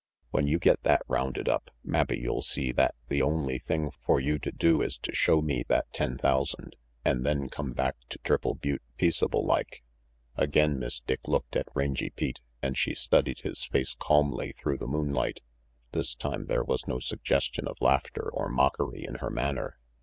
When you get that rounded up, mabbe you'll see that the only thing for you to do is to show me that ten thousand, an' then come back to Triple Butte peaceable like." Again Miss Dick looked at Rangy Pete, and she studied his face calmly through the moonlight. This time there was no suggestion of laughter or mockery in her manner.